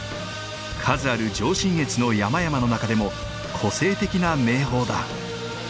数ある上信越の山々の中でも個性的な名峰だ。